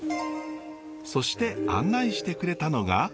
そして案内してくれたのが。